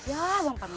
ya bang parmin